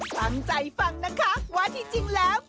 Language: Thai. ฟังนะคะว่าที่จริงแล้ว